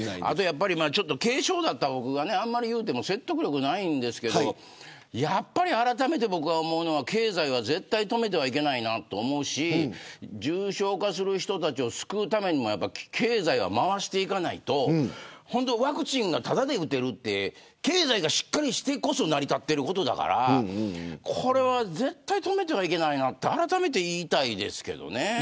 あとやっぱり軽症だった僕があんまり言うても説得力ないんですけどやっぱりあらためて僕が思うのは経済は絶対に止めてはいけないなと思うし重症化する人たちを救うためにもやっぱり経済は回していかないとワクチンがただで打てるって経済がしっかりしてこそ成り立ってることだからこれは絶対止めてはいけないなとあらためて言いたいですけどね。